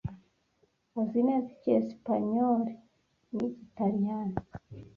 Azi neza icyesipanyoli n’igitaliyani.